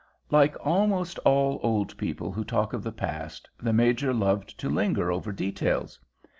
Like almost all old people who talk of the past, the Major loved to linger over details.